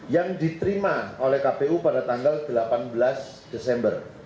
yang diterima oleh kpu pada tanggal delapan belas desember